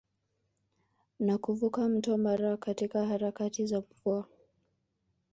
Na kuvuka mto Mara katika harakati za mvua